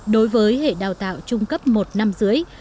đối với hệ đào tạo trung cấp một năm dưới